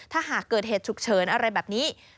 ถ้าหากเกิดเหตุฉุกเฉินอะไรแบบนี้